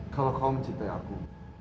kalau kau mencintai aku